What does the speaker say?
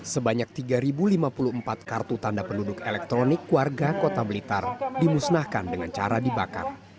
sebanyak tiga lima puluh empat kartu tanda penduduk elektronik warga kota blitar dimusnahkan dengan cara dibakar